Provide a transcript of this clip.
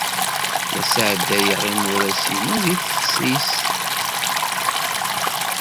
La sɛeddayeɣ imuras-inu deg teftist.